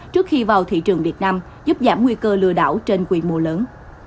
trước khi vào thị trường việt nam giúp giảm nguy cơ lừa đảo trên quy mô lớn